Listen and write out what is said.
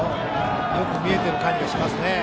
よく見えている感じがしますね。